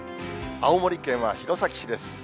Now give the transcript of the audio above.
青森県は弘前市です。